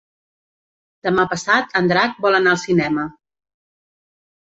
Demà passat en Drac vol anar al cinema.